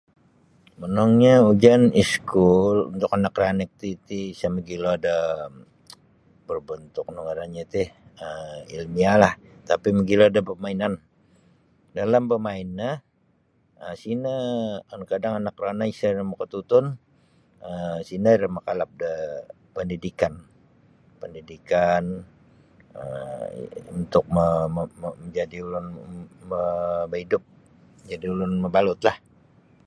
Monongnyo ujian iskul untuk anak ranik ti ti isa mogilo da berbontuk nunu ngarannyo ti um ilmiahlah tapi mogilo da pamainan dalam bamain no um sino kadang-kadang anak rono isa iro makatutun um sino iro makalap da pandidikan pandidikan um untuk ma majadi ulun ba baidup majadi ulun mabalutlah.